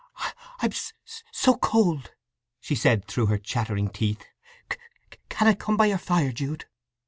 "I'm so cold!" she said through her chattering teeth. "Can I come by your fire, Jude?"